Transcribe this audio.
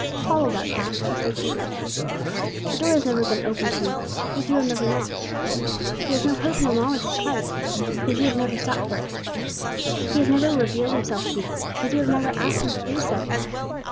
"Follow that path," she said, simply. "The door has never been opened to you, because you have never knocked. You have no personal knowledge of Christ, because you have never sought for it. He has never revealed himself to you, because you have never asked him to do so."